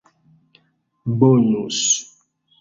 bonus